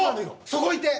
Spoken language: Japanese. そこいて！